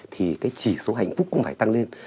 thì cái chỉ số hạnh phúc cũng phải tăng lên